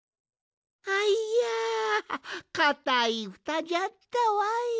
いやかたいふたじゃったわい。